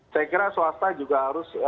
saya kira swasta juga harus